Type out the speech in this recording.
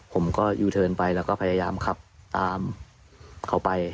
ผมก็ยูเทิร์นไปแล้วก็พยายามขับตามเขาไป